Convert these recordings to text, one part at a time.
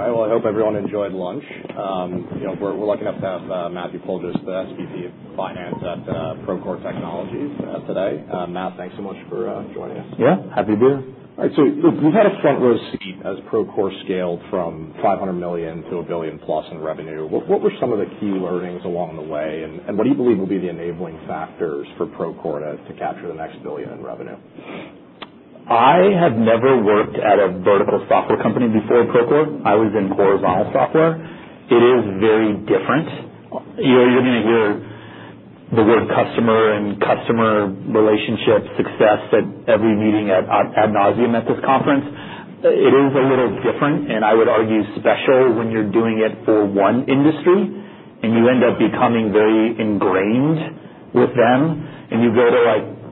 All right. Well, I hope everyone enjoyed lunch. We're lucky enough to have Matthew Puljiz, the SVP of Finance at Procore Technologies, today. Matt, thanks so much for joining us. Yeah, happy to be here. All right. So you've had a front-row seat as Procore scaled from $500 million to a billion-plus in revenue. What were some of the key learnings along the way, and what do you believe will be the enabling factors for Procore to capture the next billion in revenue? I have never worked at a vertical software company before Procore. I was in horizontal software. It is very different. You're going to hear the word customer and customer relationship success at every meeting at ad nauseam at this conference. It is a little different, and I would argue special when you're doing it for one industry, and you end up becoming very ingrained with them, and you go to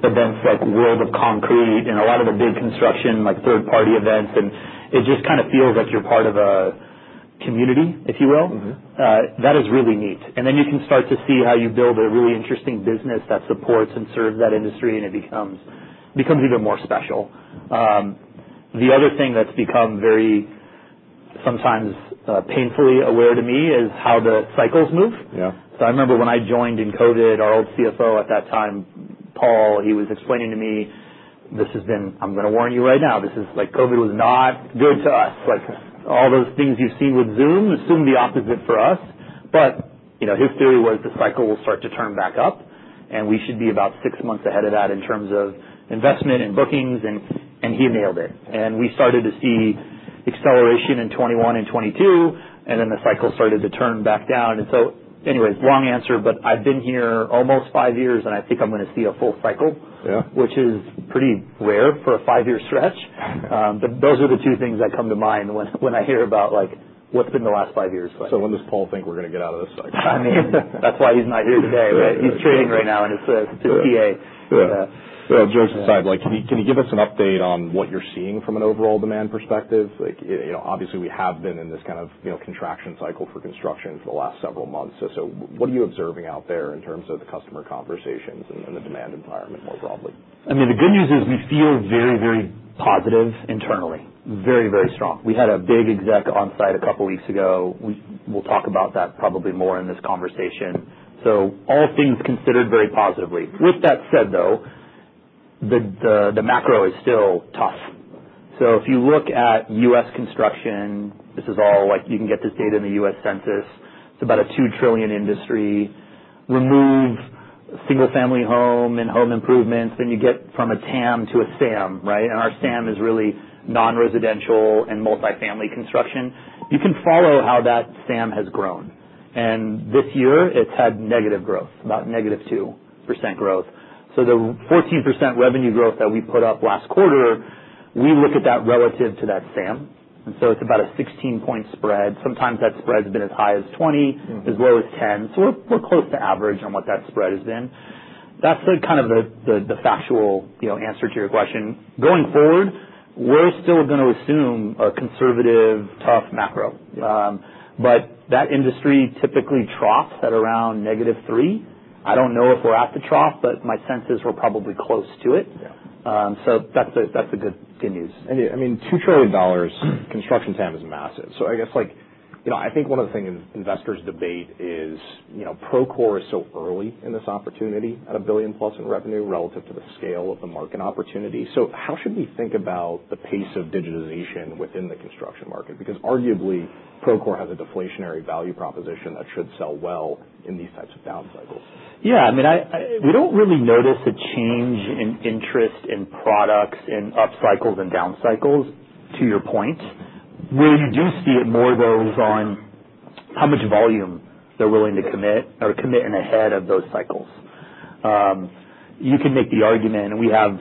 events like World of Concrete and a lot of the big construction, like third-party events, and it just kind of feels like you're part of a community, if you will. That is really neat, and then you can start to see how you build a really interesting business that supports and serves that industry, and it becomes even more special. The other thing that's become very sometimes painfully aware to me is how the cycles move. I remember when I joined in COVID, our old CFO at that time, Paul, he was explaining to me, "This has been. I'm going to warn you right now. This is like COVID was not good to us. All those things you've seen with Zoom, assume the opposite for us." But his theory was the cycle will start to turn back up, and we should be about six months ahead of that in terms of investment and bookings, and he nailed it. And we started to see acceleration in 2021 and 2022, and then the cycle started to turn back down. And so anyways, long answer, but I've been here almost five years, and I think I'm going to see a full cycle, which is pretty rare for a five-year stretch. But those are the two things that come to mind when I hear about what's been the last five years. So when does Paul think we're going to get out of this cycle? I mean, that's why he's not here today. He's trading right now in his PA. Jokes aside, can you give us an update on what you're seeing from an overall demand perspective? Obviously, we have been in this kind of contraction cycle for construction for the last several months. What are you observing out there in terms of the customer conversations and the demand environment more broadly? I mean, the good news is we feel very, very positive internally, very, very strong. We had a big exec on site a couple of weeks ago. We'll talk about that probably more in this conversation. So all things considered very positively. With that said, though, the macro is still tough. So if you look at U.S. construction, this is all. You can get this data in the U.S. census. It's about a $2 trillion industry. Remove single-family home and home improvements, then you get from a TAM to a SAM, right? And our SAM is really non-residential and multi-family construction. You can follow how that SAM has grown. And this year, it's had negative growth, about -2% growth. So the 14% revenue growth that we put up last quarter, we look at that relative to that SAM. And so it's about a 16-point spread. Sometimes that spread's been as high as 20, as low as 10. So we're close to average on what that spread has been. That's kind of the factual answer to your question. Going forward, we're still going to assume a conservative, tough macro. But that industry typically troughs at around -3. I don't know if we're at the trough, but my sense is we're probably close to it. So that's the good news. I mean, $2 trillion construction TAM is massive. So I guess I think one of the things investors debate is Procore is so early in this opportunity at a billion-plus in revenue relative to the scale of the market opportunity. So how should we think about the pace of digitization within the construction market? Because arguably, Procore has a deflationary value proposition that should sell well in these types of down cycles. Yeah. I mean, we don't really notice a change in interest in products in up cycles and down cycles, to your point, where you do see it more. It goes on how much volume they're willing to commit or commit ahead of those cycles. You can make the argument, and we have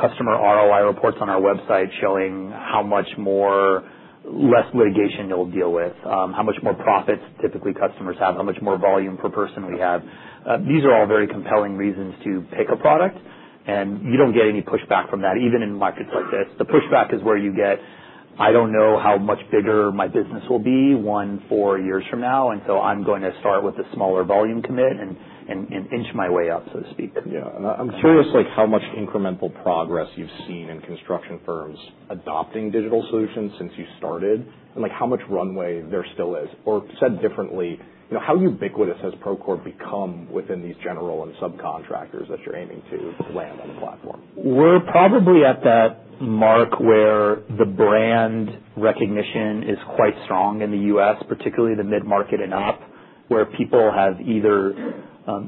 customer ROI reports on our website showing how much less litigation you'll deal with, how much more profits typically customers have, how much more volume per person we have. These are all very compelling reasons to pick a product, and you don't get any pushback from that, even in markets like this. The pushback is where you get, "I don't know how much bigger my business will be in four years from now, and so I'm going to start with a smaller volume commit and inch my way up," so to speak. Yeah. I'm curious how much incremental progress you've seen in construction firms adopting digital solutions since you started, and how much runway there still is. Or said differently, how ubiquitous has Procore become within these general contractors and subcontractors that you're aiming to land on the platform? We're probably at that mark where the brand recognition is quite strong in the U.S., particularly the mid-market and up, where people have either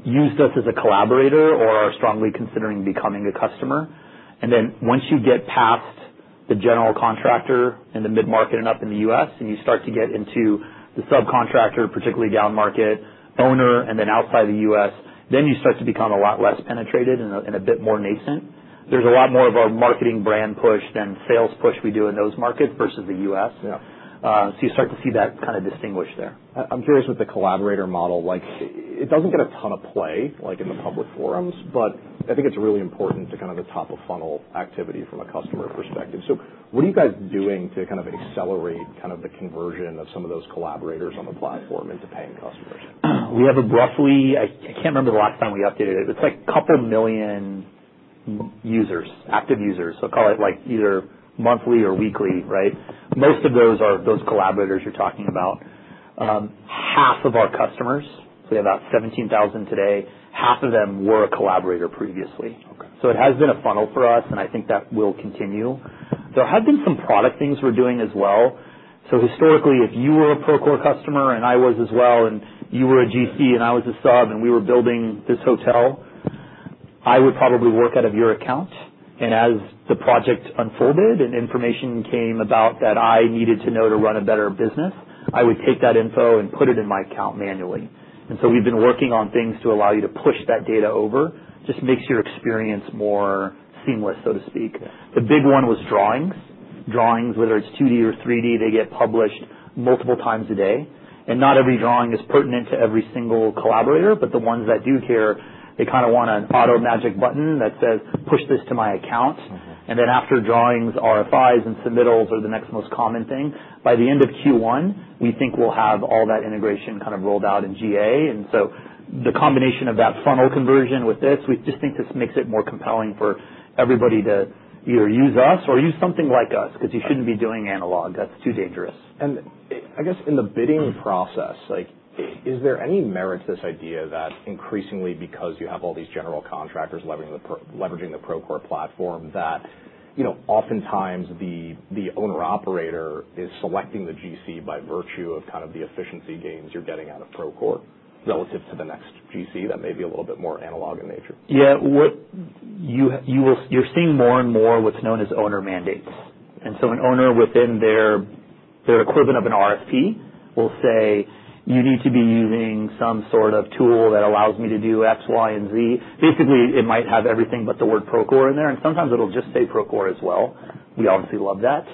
used us as a collaborator or are strongly considering becoming a customer, and then once you get past the general contractor and the mid-market and up in the U.S., and you start to get into the subcontractor, particularly down market owner, and then outside the U.S., then you start to become a lot less penetrated and a bit more nascent. There's a lot more of our marketing brand push than sales push we do in those markets versus the U.S., so you start to see that kind of distinction there. I'm curious with the collaborator model. It doesn't get a ton of play in the public forums, but I think it's really important to kind of the top-of-funnel activity from a customer perspective. So what are you guys doing to kind of accelerate kind of the conversion of some of those collaborators on the platform into paying customers? We have roughly, I can't remember the last time we updated it. It's like a couple million users, active users, so call it either monthly or weekly, right? Most of those are those collaborators you're talking about. Half of our customers, so we have about 17,000 today, half of them were a collaborator previously, so it has been a funnel for us, and I think that will continue. There have been some product things we're doing as well, so historically, if you were a Procore customer, and I was as well, and you were a GC, and I was a sub, and we were building this hotel, I would probably work out of your account, and as the project unfolded and information came about that I needed to know to run a better business, I would take that info and put it in my account manually. We've been working on things to allow you to push that data over. It just makes your experience more seamless, so to speak. The big one was drawings. Drawings, whether it's 2D or 3D, they get published multiple times a day. Not every drawing is pertinent to every single collaborator, but the ones that do care, they kind of want an auto magic button that says, "Push this to my account." After drawings, RFIs and submittals are the next most common thing. By the end of Q1, we think we'll have all that integration kind of rolled out in GA. The combination of that funnel conversion with this, we just think this makes it more compelling for everybody to either use us or use something like us because you shouldn't be doing analog. That's too dangerous. I guess in the bidding process, is there any merit to this idea that increasingly, because you have all these general contractors leveraging the Procore platform, that oftentimes the owner-operator is selecting the GC by virtue of kind of the efficiency gains you're getting out of Procore relative to the next GC that may be a little bit more analog in nature? Yeah. You're seeing more and more what's known as owner mandates, and so an owner within their equivalent of an RFP will say, "You need to be using some sort of tool that allows me to do X, Y, and Z." Basically, it might have everything but the word Procore in there, and sometimes it'll just say Procore as well. We obviously love that.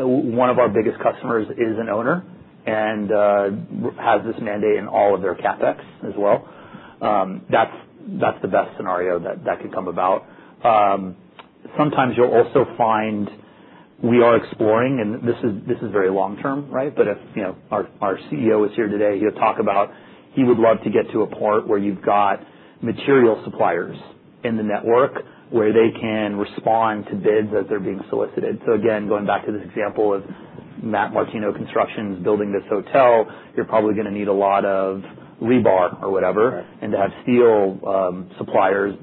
One of our biggest customers is an owner and has this mandate in all of their CapEx as well. That's the best scenario that could come about. Sometimes you'll also find we are exploring, and this is very long-term, right, but if our CEO is here today, he'll talk about he would love to get to a point where you've got material suppliers in the network where they can respond to bids as they're being solicited. So again, going back to this example of Matt Martino Constructions building this hotel, you're probably going to need a lot of rebar or whatever. And to have steel suppliers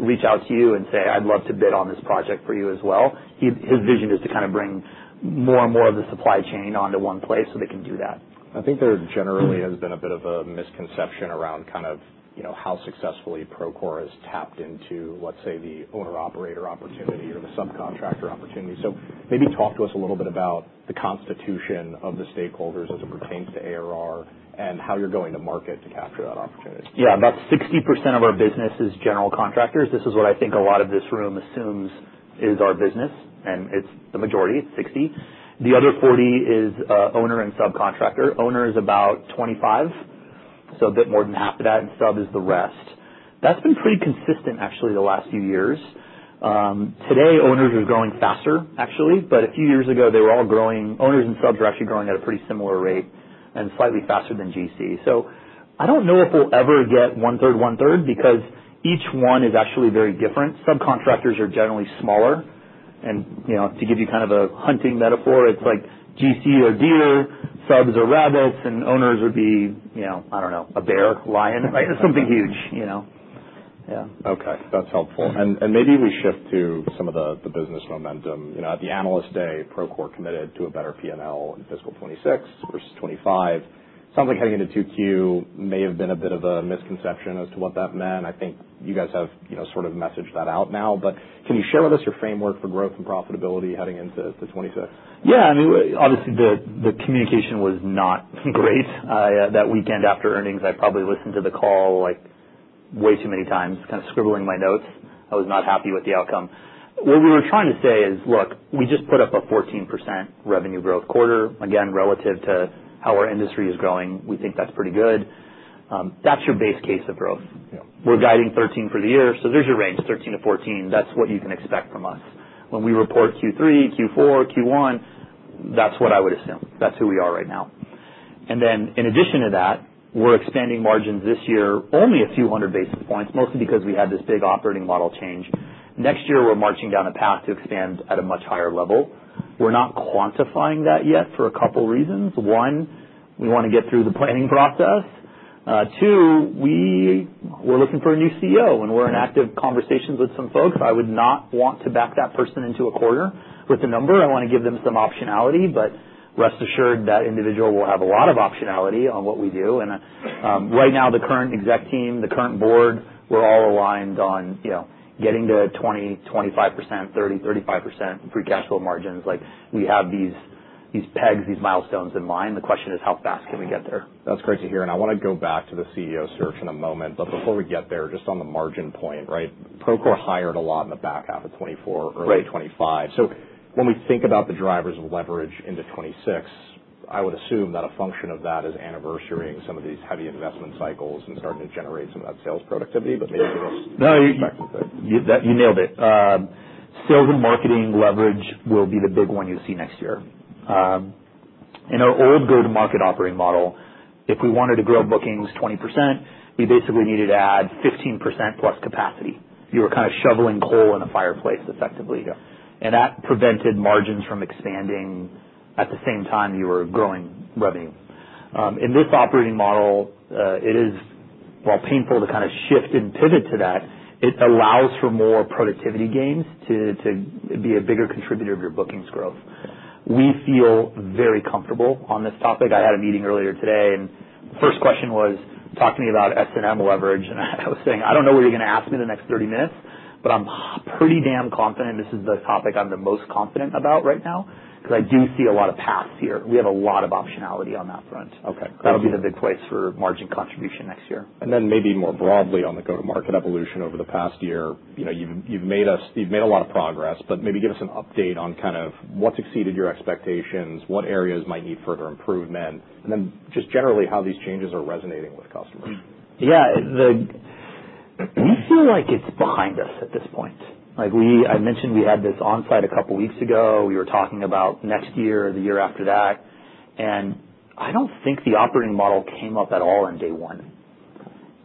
reach out to you and say, "I'd love to bid on this project for you as well." His vision is to kind of bring more and more of the supply chain onto one place so they can do that. I think there generally has been a bit of a misconception around kind of how successfully Procore has tapped into, let's say, the owner-operator opportunity or the subcontractor opportunity. So maybe talk to us a little bit about the constitution of the stakeholders as it pertains to ARR and how you're going to market to capture that opportunity. Yeah. About 60% of our business is general contractors. This is what I think a lot of this room assumes is our business, and it's the majority. It's 60%. The other 40% is owner and subcontractor. Owner is about 25%, so a bit more than half of that, and sub is the rest. That's been pretty consistent, actually, the last few years. Today, owners are growing faster, actually, but a few years ago, they were all growing owners and subs were actually growing at a pretty similar rate and slightly faster than GC. So I don't know if we'll ever get one-third, one-third, because each one is actually very different. Subcontractors are generally smaller. And to give you kind of a hunting metaphor, it's like GC or deer, subs or rabbits, and owners would be, I don't know, a bear, lion, right? Something huge. Yeah. Okay. That's helpful, and maybe we shift to some of the business momentum. At the Analyst Day, Procore committed to a better P&L in fiscal '26 versus '25. Sounds like heading into Q2 may have been a bit of a misconception as to what that meant. I think you guys have sort of messaged that out now, but can you share with us your framework for growth and profitability heading into '26? Yeah. I mean, obviously, the communication was not great that weekend after earnings. I probably listened to the call way too many times, kind of scribbling my notes. I was not happy with the outcome. What we were trying to say is, "Look, we just put up a 14% revenue growth quarter." Again, relative to how our industry is growing, we think that's pretty good. That's your base case of growth. We're guiding 13% for the year. So there's your range, 13%-14%. That's what you can expect from us. When we report Q3, Q4, Q1, that's what I would assume. That's who we are right now. And then in addition to that, we're expanding margins this year only a few hundred basis points, mostly because we had this big operating model change. Next year, we're marching down a path to expand at a much higher level. We're not quantifying that yet for a couple of reasons. One, we want to get through the planning process. Two, we're looking for a new CEO, and we're in active conversations with some folks. I would not want to back that person into a quarter with a number. I want to give them some optionality, but rest assured that individual will have a lot of optionality on what we do. And right now, the current exec team, the current board, we're all aligned on getting to 20%-25%, 30%-35% free cash flow margins. We have these pegs, these milestones in mind. The question is, how fast can we get there? That's great to hear. And I want to go back to the CEO search in a moment. But before we get there, just on the margin point, right? Procore hired a lot in the back half of 2024, early 2025. So when we think about the drivers of leverage into 2026, I would assume that a function of that is anniversarying some of these heavy investment cycles and starting to generate some of that sales productivity. But maybe give us a perspective there. You nailed it. Sales and marketing leverage will be the big one you see next year. In our old go-to-market operating model, if we wanted to grow bookings 20%, we basically needed to add 15%+ capacity. You were kind of shoveling coal in a fireplace, effectively. And that prevented margins from expanding at the same time you were growing revenue. In this operating model, it is, while painful to kind of shift and pivot to that, it allows for more productivity gains to be a bigger contributor of your bookings growth. We feel very comfortable on this topic. I had a meeting earlier today, and the first question was, "Talk to me about S&M leverage." And I was saying, "I don't know what you're going to ask me the next 30 minutes, but I'm pretty damn confident this is the topic I'm the most confident about right now because I do see a lot of paths here." We have a lot of optionality on that front. That'll be the big place for margin contribution next year. And then, maybe more broadly on the go-to-market evolution over the past year, you've made a lot of progress, but maybe give us an update on kind of what's exceeded your expectations, what areas might need further improvement, and then just generally how these changes are resonating with customers? Yeah. We feel like it's behind us at this point. I mentioned we had this onsite a couple of weeks ago. We were talking about next year, the year after that. And I don't think the operating model came up at all on day one.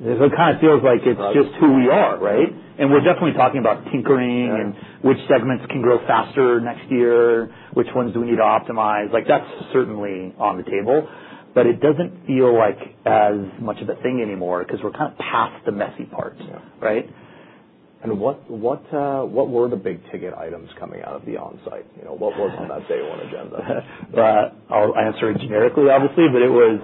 It kind of feels like it's just who we are, right? And we're definitely talking about tinkering and which segments can grow faster next year, which ones do we need to optimize. That's certainly on the table, but it doesn't feel like as much of a thing anymore because we're kind of past the messy part, right? What were the big ticket items coming out of the onsite? What was on that day one agenda? I'll answer it generically, obviously, but it was,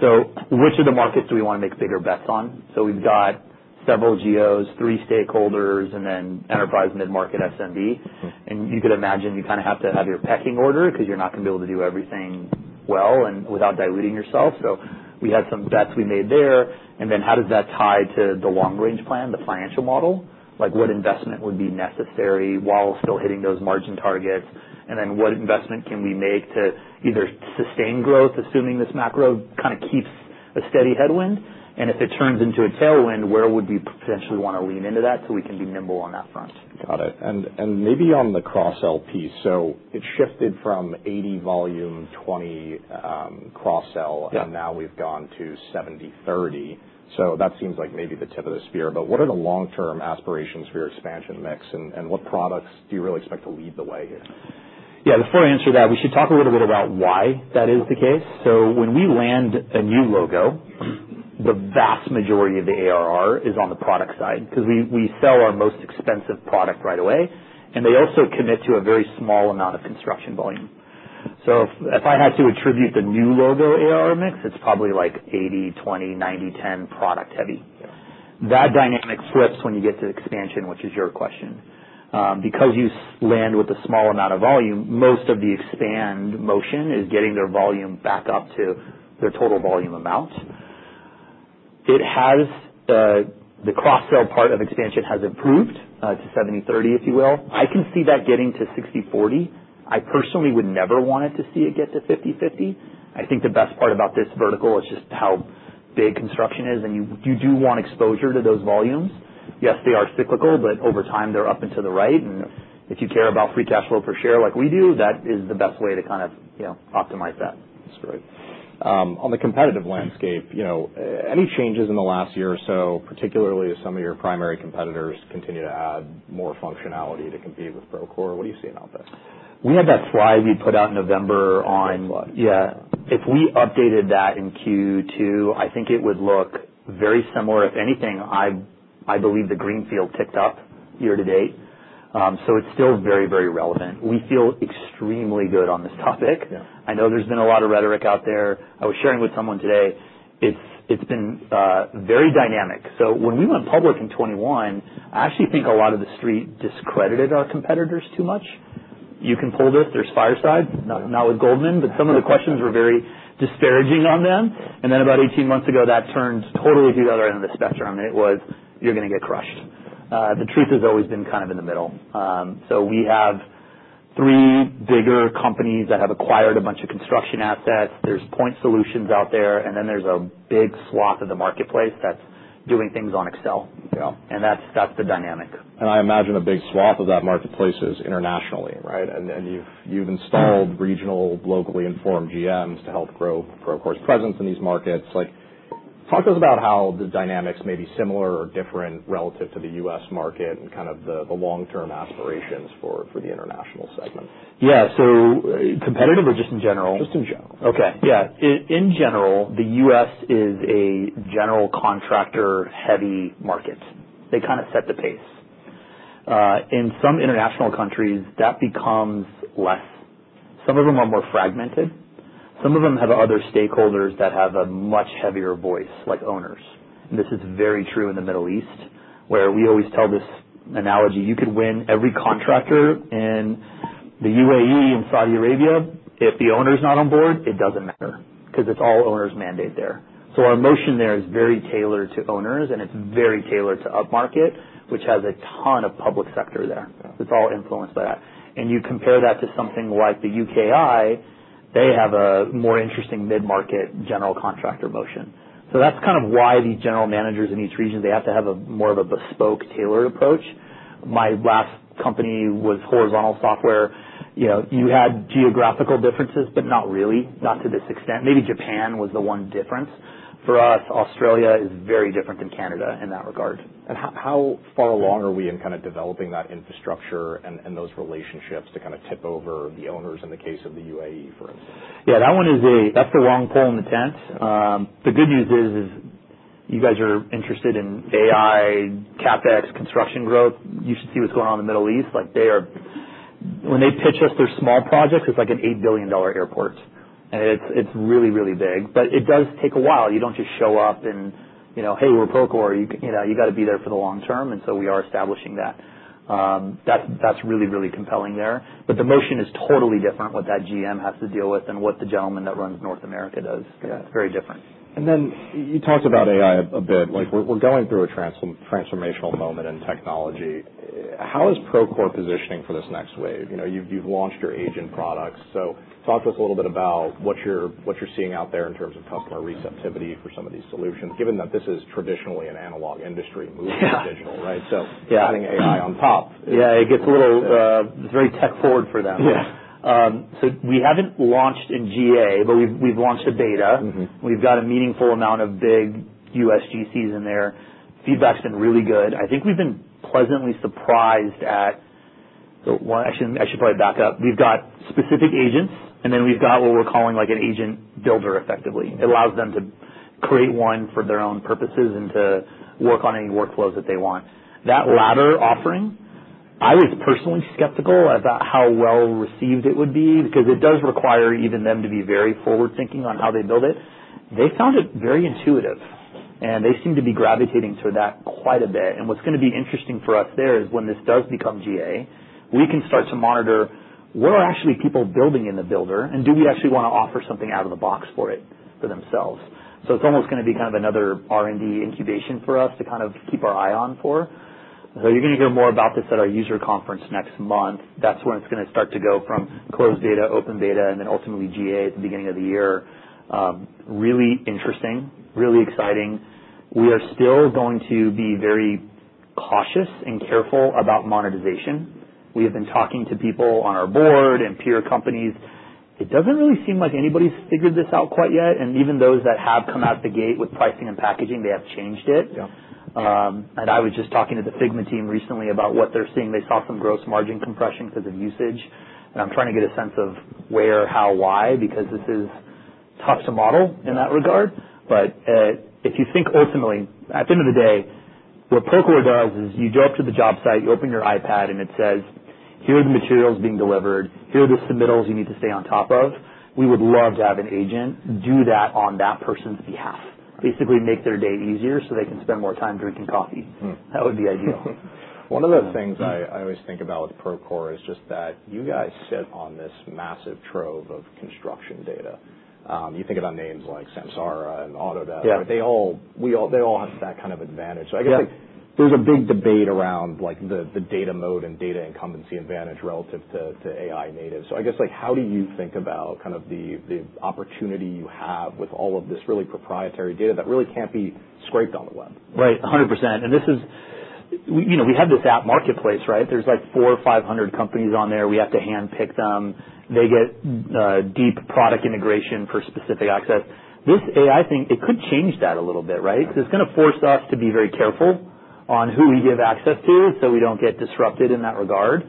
"So which of the markets do we want to make bigger bets on?" So we've got several GCs, three stakeholders, and then enterprise mid-market SMB. And you could imagine you kind of have to have your pecking order because you're not going to be able to do everything well and without diluting yourself. So we had some bets we made there. And then how does that tie to the long-range plan, the financial model? What investment would be necessary while still hitting those margin targets? And then what investment can we make to either sustain growth, assuming this macro kind of keeps a steady headwind? And if it turns into a tailwind, where would we potentially want to lean into that so we can be nimble on that front? Got it. And maybe on the cross-sell piece, so it shifted from 80 volume, 20 cross-sell, and now we've gone to 70, 30. So that seems like maybe the tip of the spear. But what are the long-term aspirations for your expansion mix, and what products do you really expect to lead the way here? Yeah. Before I answer that, we should talk a little bit about why that is the case. So when we land a new logo, the vast majority of the ARR is on the product side because we sell our most expensive product right away, and they also commit to a very small amount of construction volume. So if I had to attribute the new logo ARR mix, it's probably like 80-20, 90-10 product heavy. That dynamic flips when you get to expansion, which is your question. Because you land with a small amount of volume, most of the expand motion is getting their volume back up to their total volume amount. The cross-sell part of expansion has improved to 70-30, if you will. I can see that getting to 60-40. I personally would never want to see it get to 50-50. I think the best part about this vertical is just how big construction is, and you do want exposure to those volumes. Yes, they are cyclical, but over time, they're up and to the right, and if you care about free cash flow per share like we do, that is the best way to kind of optimize that. That's great. On the competitive landscape, any changes in the last year or so, particularly as some of your primary competitors continue to add more functionality to compete with Procore? What do you see out there? We had that slide we put out in November on. Same slide. Yeah. If we updated that in Q2, I think it would look very similar. If anything, I believe the greenfield ticked up year to date. So it's still very, very relevant. We feel extremely good on this topic. I know there's been a lot of rhetoric out there. I was sharing with someone today. It's been very dynamic. So when we went public in 2021, I actually think a lot of the street discredited our competitors too much. You can pull this. There's Fireside, not with Goldman, but some of the questions were very disparaging on them, and then about 18 months ago, that turned totally to the other end of the spectrum, and it was, "You're going to get crushed." The truth has always been kind of in the middle. So we have three bigger companies that have acquired a bunch of construction assets. There's point solutions out there, and then there's a big swath of the marketplace that's doing things on Excel, and that's the dynamic. And I imagine a big swath of that marketplace is internationally, right? And you've installed regional, locally informed GMs to help grow Procore's presence in these markets. Talk to us about how the dynamics may be similar or different relative to the U.S. market and kind of the long-term aspirations for the international segment. Yeah. So competitive or just in general? Just in general. Okay. Yeah. In general, the U.S. is a general contractor-heavy market. They kind of set the pace. In some international countries, that becomes less. Some of them are more fragmented. Some of them have other stakeholders that have a much heavier voice, like owners. And this is very true in the Middle East, where we always tell this analogy. You could win every contractor in the U.A.E. and Saudi Arabia. If the owner's not on board, it doesn't matter because it's all owner's mandate there. So our motion there is very tailored to owners, and it's very tailored to upmarket, which has a ton of public sector there. It's all influenced by that. And you compare that to something like the UKI, they have a more interesting mid-market general contractor motion. So that's kind of why these general managers in each region, they have to have more of a bespoke, tailored approach. My last company was Horizontal Software. You had geographical differences, but not really, not to this extent. Maybe Japan was the one difference. For us, Australia is very different than Canada in that regard. And how far along are we in kind of developing that infrastructure and those relationships to kind of tip over the owners in the case of the UAE, for instance? Yeah. That's the wrong pole in the tent. The good news is you guys are interested in AI, CapEx, construction growth. You should see what's going on in the Middle East. When they pitch us their small projects, it's like an $8 billion airport. And it's really, really big. But it does take a while. You don't just show up and, "Hey, we're Procore." You got to be there for the long term. And so we are establishing that. That's really, really compelling there. But the motion is totally different what that GM has to deal with than what the gentleman that runs North America does. It's very different. And then you talked about AI a bit. We're going through a transformational moment in technology. How is Procore positioning for this next wave? You've launched your agent products. So talk to us a little bit about what you're seeing out there in terms of customer receptivity for some of these solutions, given that this is traditionally an analog industry moving to digital, right? So adding AI on top. Yeah. It gets a little, it's very tech forward for them. So we haven't launched in GA, but we've launched a beta. We've got a meaningful amount of big U.S. GCs in there. Feedback's been really good. I think we've been pleasantly surprised at, actually, I should probably back up. We've got specific agents, and then we've got what we're calling an agent builder, effectively. It allows them to create one for their own purposes and to work on any workflows that they want. That latter offering, I was personally skeptical about how well-received it would be because it does require even them to be very forward-thinking on how they build it. They found it very intuitive, and they seem to be gravitating toward that quite a bit. What's going to be interesting for us there is when this does become GA. We can start to monitor what are actually people building in the builder, and do we actually want to offer something out of the box for it for themselves? It's almost going to be kind of another R&D incubation for us to kind of keep our eye on for. You're going to hear more about this at our user conference next month. That's where it's going to start to go from closed beta, open beta, and then ultimately GA at the beginning of the year. Really interesting, really exciting. We are still going to be very cautious and careful about monetization. We have been talking to people on our board and peer companies. It doesn't really seem like anybody's figured this out quite yet. And even those that have come out of the gate with pricing and packaging, they have changed it. And I was just talking to the Figma team recently about what they're seeing. They saw some gross margin compression because of usage. And I'm trying to get a sense of where, how, why, because this is tough to model in that regard. But if you think ultimately, at the end of the day, what Procore does is you go up to the job site, you open your iPad, and it says, "Here are the materials being delivered. Here are the submittals you need to stay on top of." We would love to have an agent do that on that person's behalf, basically make their day easier so they can spend more time drinking coffee. That would be ideal. One of the things I always think about with Procore is just that you guys sit on this massive trove of construction data. You think about names like Samsara and Autodesk. They all have that kind of advantage. So I guess there's a big debate around the data moat and data incumbency advantage relative to AI native. So I guess how do you think about kind of the opportunity you have with all of this really proprietary data that really can't be scraped on the web? Right. 100%. And we have this app marketplace, right? There's like 400 or 500 companies on there. We have to handpick them. They get deep product integration for specific access. This AI thing, it could change that a little bit, right? Because it's going to force us to be very careful on who we give access to so we don't get disrupted in that regard.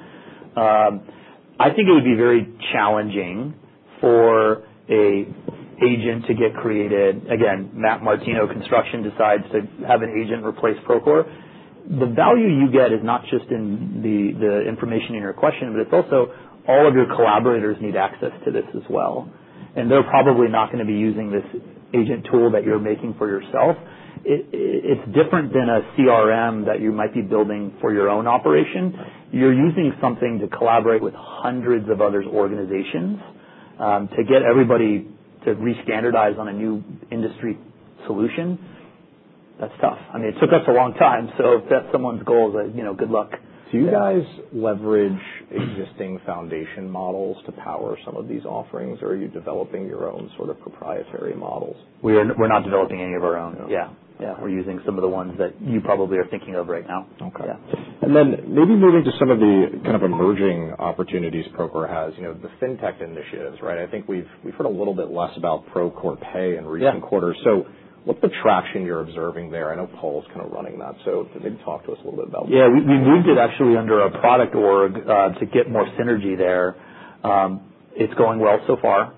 I think it would be very challenging for an agent to get created. Again, Matt Martino Construction decides to have an agent replace Procore. The value you get is not just in the information in your question, but it's also all of your collaborators need access to this as well. And they're probably not going to be using this agent tool that you're making for yourself. It's different than a CRM that you might be building for your own operation. You're using something to collaborate with hundreds of other organizations to get everybody to re-standardize on a new industry solution. That's tough. I mean, it took us a long time. So if that's someone's goal, good luck. Do you guys leverage existing foundation models to power some of these offerings, or are you developing your own sort of proprietary models? We're not developing any of our own. Yeah. We're using some of the ones that you probably are thinking of right now. Okay, and then maybe moving to some of the kind of emerging opportunities Procore has, the fintech initiatives, right? I think we've heard a little bit less about Procore Pay in recent quarters, so what's the traction you're observing there? I know Paul's kind of running that, so maybe talk to us a little bit about that. Yeah. We moved it actually under a product org to get more synergy there. It's going well so far.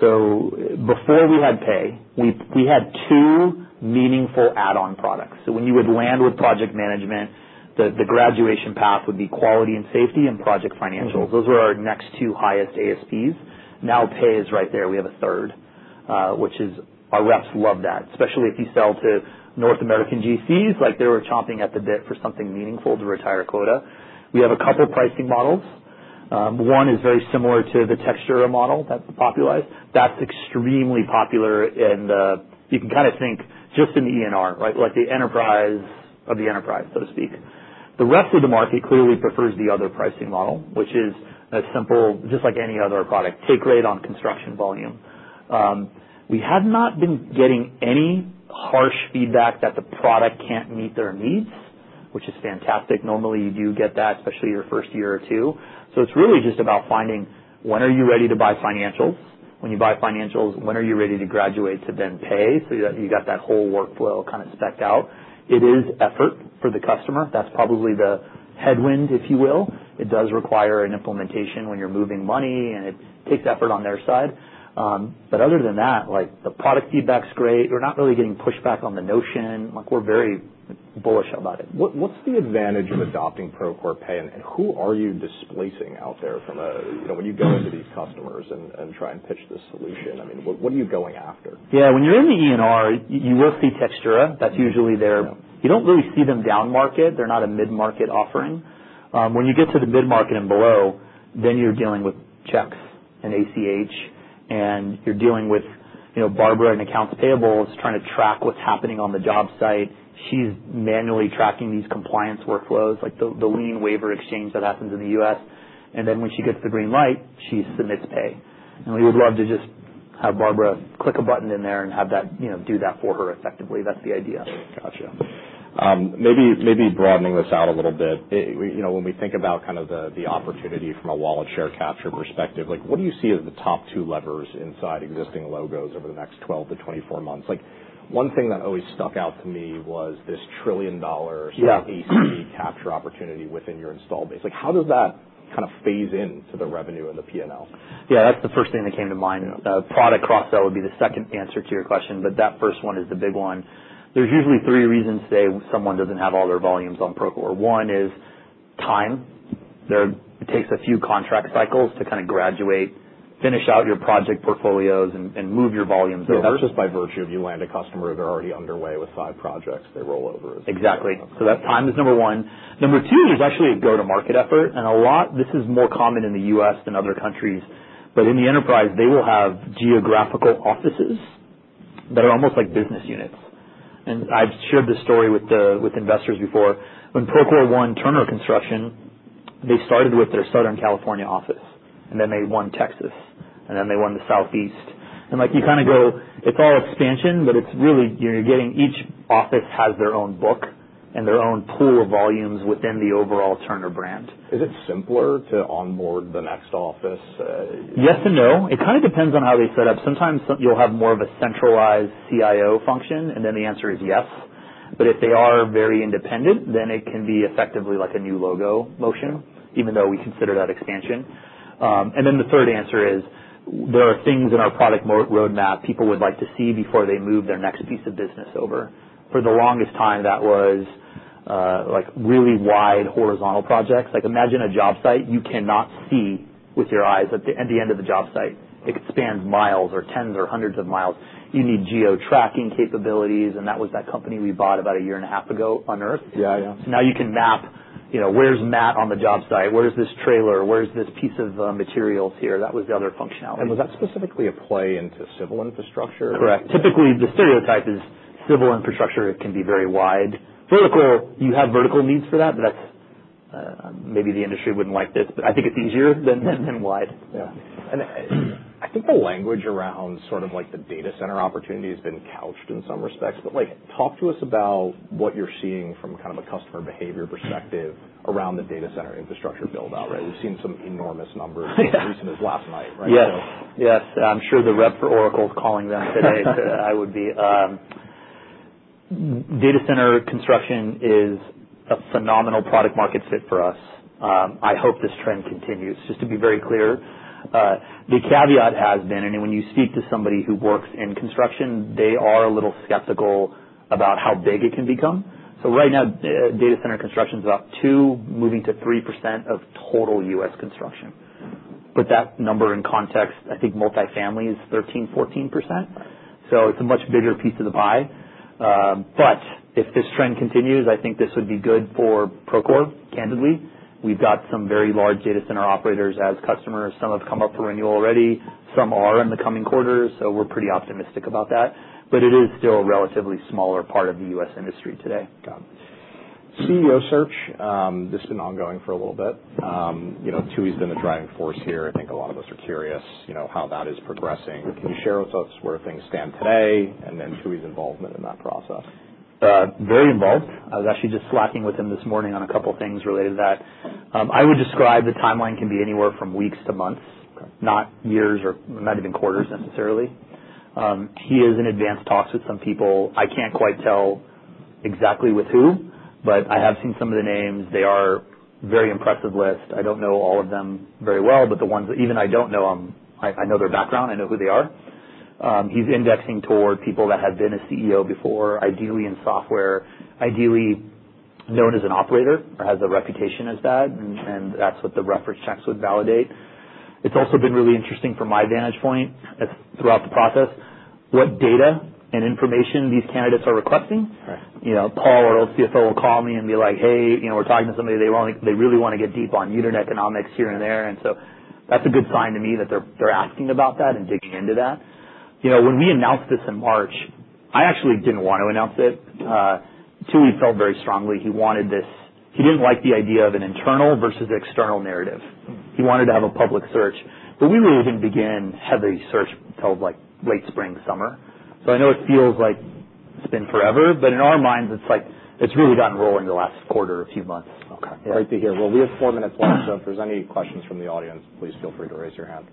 So before we had Pay, we had two meaningful add-on products. So when you would land with project management, the graduation path would be quality and safety and project financials. Those were our next two highest ASPs. Now Pay is right there. We have a third, which is our reps love that, especially if you sell to North American GCs like they were chomping at the bit for something meaningful to retire quota. We have a couple of pricing models. One is very similar to the Textura model that's popularized. That's extremely popular. And you can kind of think just in the ENR, right? Like the enterprise of the enterprise, so to speak. The rest of the market clearly prefers the other pricing model, which is a simple, just like any other product, take rate on construction volume. We have not been getting any harsh feedback that the product can't meet their needs, which is fantastic. Normally, you do get that, especially your first year or two. So it's really just about finding when are you ready to buy financials? When you buy financials, when are you ready to graduate to then pay? So you got that whole workflow kind of specced out. It is effort for the customer. That's probably the headwind, if you will. It does require an implementation when you're moving money, and it takes effort on their side. But other than that, the product feedback's great. We're not really getting pushback on the notion. We're very bullish about it. What's the advantage of adopting Procore Pay? And who are you displacing out there when you go into these customers and try and pitch this solution? I mean, what are you going after? Yeah. When you're in the ENR, you will see Textura. That's usually there. You don't really see them down market. They're not a mid-market offering. When you get to the mid-market and below, then you're dealing with checks and ACH, and you're dealing with Barbara in Accounts Payable trying to track what's happening on the job site. She's manually tracking these compliance workflows, like the lien waiver exchange that happens in the US. And then when she gets the green light, she submits pay. And we would love to just have Barbara click a button in there and do that for her effectively. That's the idea. Gotcha. Maybe broadening this out a little bit, when we think about kind of the opportunity from a wallet share capture perspective, what do you see as the top two levers inside existing logos over the next 12-24 months? One thing that always stuck out to me was this trillion-dollar sort of AC capture opportunity within your install base. How does that kind of phase into the revenue and the P&L? Yeah. That's the first thing that came to mind. Product cross-sell would be the second answer to your question, but that first one is the big one. There's usually three reasons today someone doesn't have all their volumes on Procore. One is time. It takes a few contract cycles to kind of graduate, finish out your project portfolios, and move your volumes over. That's just by virtue of you land a customer who they're already underway with five projects. They roll over as well. Exactly. So that time is number one. Number two is actually a go-to-market effort. And this is more common in the U.S. than other countries. But in the enterprise, they will have geographical offices that are almost like business units. And I've shared this story with investors before. When Procore won Turner Construction, they started with their Southern California office, and then they won Texas, and then they won the Southeast. And you kind of go, it's all expansion, but it's really you're getting each office has their own book and their own pool of volumes within the overall Turner brand. Is it simpler to onboard the next office? Yes and no. It kind of depends on how they set up. Sometimes you'll have more of a centralized CIO function, and then the answer is yes. But if they are very independent, then it can be effectively like a new logo motion, even though we consider that expansion. And then the third answer is there are things in our product roadmap people would like to see before they move their next piece of business over. For the longest time, that was really wide horizontal projects. Imagine a job site you cannot see with your eyes at the end of the job site. It expands miles or tens or hundreds of miles. You need geo-tracking capabilities. And that was that company we bought about a year and a half ago, Unearth. So now you can map where's Matt on the job site? Where's this trailer? Where's this piece of materials here? That was the other functionality. Was that specifically a play into civil infrastructure? Correct. Typically, the stereotype is civil infrastructure can be very wide. Vertical, you have vertical needs for that, but that's maybe the industry wouldn't like this. But I think it's easier than wide. Yeah, and I think the language around sort of the data center opportunity has been couched in some respects, but talk to us about what you're seeing from kind of a customer behavior perspective around the data center infrastructure buildout, right? We've seen some enormous numbers as recent as last night, right? Yes. Yes. I'm sure the rep for Oracle is calling them today. I would be. Data center construction is a phenomenal product market fit for us. I hope this trend continues. Just to be very clear, the caveat has been, and when you speak to somebody who works in construction, they are a little skeptical about how big it can become. So right now, data center construction is about 2%-3% of total U.S. construction. Put that number in context, I think multifamily is 13%, 14%. So it's a much bigger piece of the pie. But if this trend continues, I think this would be good for Procore, candidly. We've got some very large data center operators as customers. Some have come up for renewal already. Some are in the coming quarters. So we're pretty optimistic about that. But it is still a relatively smaller part of the U.S. industry today. Got it. CEO search, this has been ongoing for a little bit. Tooey has been the driving force here. I think a lot of us are curious how that is progressing. Can you share with us where things stand today and Tooey's involvement in that process? Very involved. I was actually just slacking with him this morning on a couple of things related to that. I would describe the timeline can be anywhere from weeks to months, not years or not even quarters necessarily. He is in advanced talks with some people. I can't quite tell exactly with who, but I have seen some of the names. They are very impressive lists. I don't know all of them very well, but the ones that even I don't know, I know their background. I know who they are. He's indexing toward people that have been a CEO before, ideally in software, ideally known as an operator or has a reputation as that. And that's what the reference checks would validate. It's also been really interesting from my vantage point throughout the process what data and information these candidates are requesting. Paul our CFO will call me and be like, "Hey, we're talking to somebody they really want to get deep on unit economics here and there," and so that's a good sign to me that they're asking about that and digging into that. When we announced this in March, I actually didn't want to announce it. Tooey felt very strongly. He didn't like the idea of an internal versus external narrative. He wanted to have a public search, but we really didn't begin heavy search until late spring, summer, so I know it feels like it's been forever, but in our minds, it's really gotten rolling the last quarter, a few months. Okay. Great to hear. Well, we have four minutes left. So if there's any questions from the audience, please feel free to raise your hand.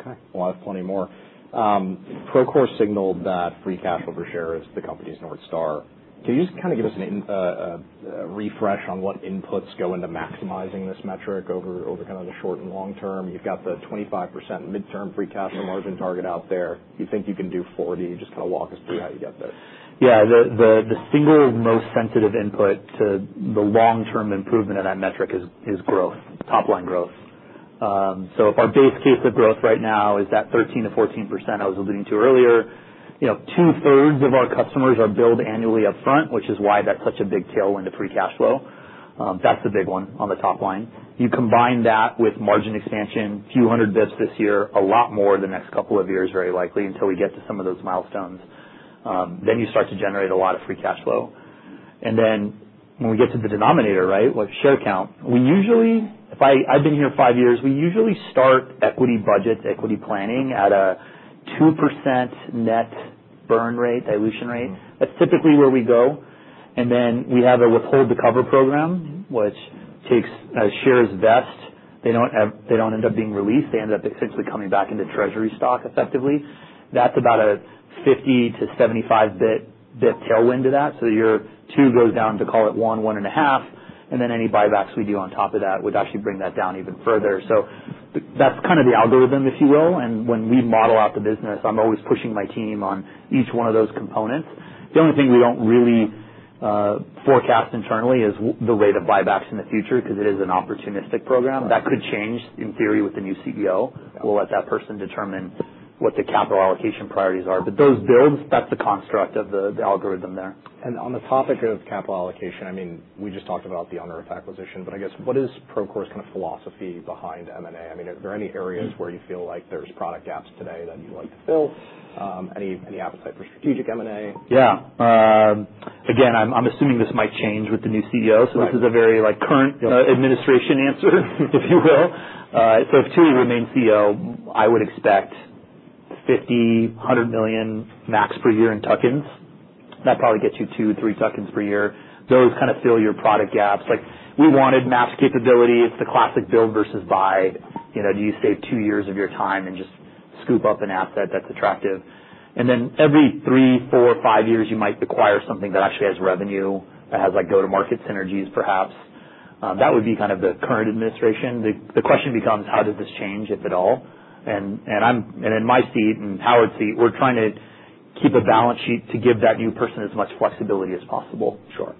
Okay. Well, I have plenty more. Procore signaled that free cash flow per share is the company's North Star. Can you just kind of give us a refresh on what inputs go into maximizing this metric over kind of the short and long term? You've got the 25% mid-term free cash margin target out there. You think you can do 40%. Just kind of walk us through how you get there. Yeah. The single most sensitive input to the long-term improvement of that metric is growth, top-line growth. So if our base case of growth right now is that 13%-14% I was alluding to earlier, two-thirds of our customers are billed annually upfront, which is why that's such a big tailwind of free cash flow. That's the big one on the top line. You combine that with margin expansion, a few hundred basis points this year, a lot more the next couple of years very likely until we get to some of those milestones. Then you start to generate a lot of free cash flow. And then when we get to the denominator, right, like share count, I've been here five years. We usually start equity budgets, equity planning at a 2% net burn rate, dilution rate. That's typically where we go. And then we have a withhold-to-cover program, which takes shares vest. They don't end up being released. They end up essentially coming back into treasury stock effectively. That's about a 50-75 basis points tailwind to that. So your two goes down to call it one, one and a half. And then any buybacks we do on top of that would actually bring that down even further. So that's kind of the algorithm, if you will. And when we model out the business, I'm always pushing my team on each one of those components. The only thing we don't really forecast internally is the rate of buybacks in the future because it is an opportunistic program. That could change in theory with the new CEO. We'll let that person determine what the capital allocation priorities are. But those builds, that's the construct of the algorithm there. On the topic of capital allocation, I mean, we just talked about the Unearth acquisition, but I guess what is Procore's kind of philosophy behind M&A? I mean, are there any areas where you feel like there's product gaps today that you'd like to fill? Any appetite for strategic M&A? Yeah. Again, I'm assuming this might change with the new CEO. So this is a very current administration answer, if you will. So if Tooey remains CEO, I would expect $50 million-$100 million max per year in tuck-ins. That probably gets you two, three tuck-ins per year. Those kind of fill your product gaps. We wanted mass capability. It's the classic build versus buy. Do you save two years of your time and just scoop up an asset that's attractive? And then every three, four, five years, you might acquire something that actually has revenue, that has go-to-market synergies, perhaps. That would be kind of the current administration. The question becomes, how does this change, if at all? And in my seat and Howard's seat, we're trying to keep a balance sheet to give that new person as much flexibility as possible. Sure.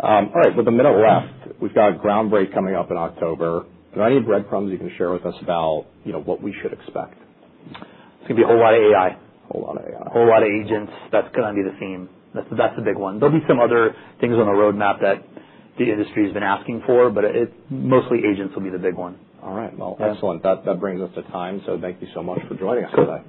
All right. Well, the minute we're live, we've got a Groundbreak coming up in October. Are there any breadcrumbs you can share with us about what we should expect? It's going to be a whole lot of AI. A whole lot of AI. A whole lot of agents. That's going to be the theme. That's the big one. There'll be some other things on the roadmap that the industry has been asking for, but mostly agents will be the big one. All right. Well, excellent. That brings us to time. So thank you so much for joining us today.